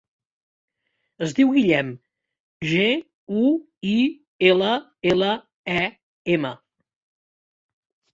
Es diu Guillem: ge, u, i, ela, ela, e, ema.